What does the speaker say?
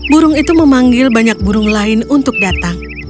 burung itu memanggil banyak burung lain untuk datang